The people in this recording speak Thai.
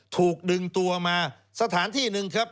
ถูกดึงตัวมาสถานที่หนึ่งครับ